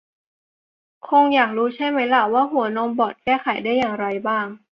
คงอยากรู้ใช่ไหมล่ะ ว่าหัวนมบอดแก้ไขได้อย่างไรบ้าง